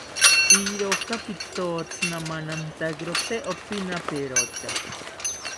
Iroka pitotzi namanantakiro tee opinaperota